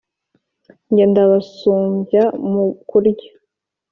Nge ndabasumbya mu kurya!”